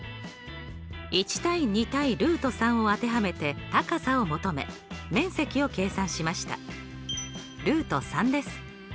１対２対を当てはめて高さを求め面積を計算しました。です。